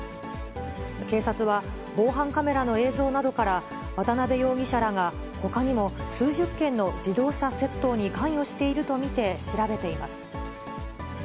警察は、防犯カメラの映像などから、渡辺容疑者らがほかにも数十件の自動車窃盗に関与していると見て調べています。